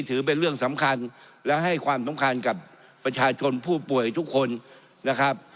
ถือเป็นเรื่องสำคัญและให้ความสำคัญกับประชาชนผู้ป่วยทุกคนนะครับ